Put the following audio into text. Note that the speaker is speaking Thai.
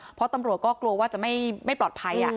เพราะตำรวจก็กลัวว่าจะไม่ปลอดภัย